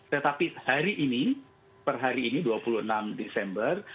tetapi hari ini per hari ini dua puluh enam desember